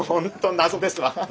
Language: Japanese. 謎ですわ。